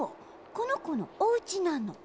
このこのおうちなの。